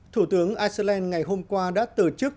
thủ tướng iceland ngày hôm qua đã từ chức